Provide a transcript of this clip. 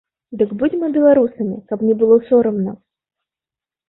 Дык будзьма беларусамі, каб не было сорамна!